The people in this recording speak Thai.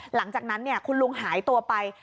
หลังจากนั้นคุณลุงหายตัวไป